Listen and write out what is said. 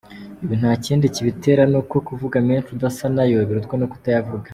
Ibi nta kindi kibitera ni uko kuvuga menshi udasa na yo birutwa no kutayavuga.